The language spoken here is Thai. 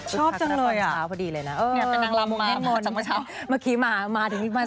ชอบจังเลยอ่ะเมื่อกี้มารายการนี้เลยนะฮะ